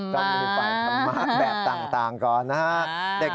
ก็มีฝ่ายธรรมะแบบต่างก่อนนะครับ